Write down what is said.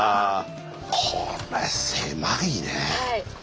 これ狭いね。